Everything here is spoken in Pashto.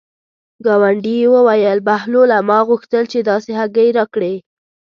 ګاونډي یې وویل: بهلوله ما غوښتل چې داسې هګۍ راکړې.